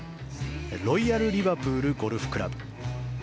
ロイヤル・リバプールゴルフクラブ。